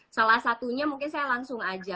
salah satunya mungkin saya langsung aja